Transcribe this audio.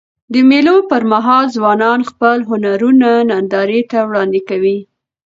د مېلو پر مهال ځوانان خپل هنرونه نندارې ته وړاندي کوي.